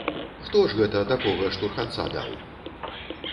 Хто ж гэта такога штурханца даў?